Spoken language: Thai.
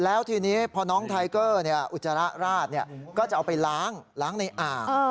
แล้วทีนี้พอน้องไทเกอร์อุจจาระราดก็จะเอาไปล้างล้างในอ่าง